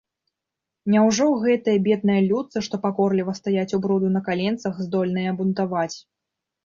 Няўжо гэтыя бедныя людцы, што пакорліва стаяць ў бруду на каленцах, здольныя бунтаваць?